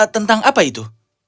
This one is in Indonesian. tentang apa itu